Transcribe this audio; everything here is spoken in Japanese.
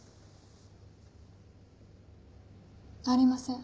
ありません。